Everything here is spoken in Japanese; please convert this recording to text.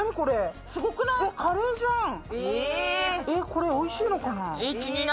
これ、おいしいのかな。